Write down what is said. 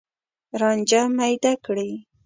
رانجه میده کړي